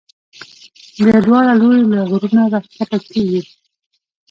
بیا دواړه لوري له غرونو را کښته کېږي.